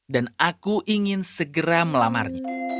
dan aku ingin segera melamarnya